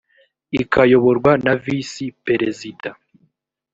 ikayoborwa na visi perezida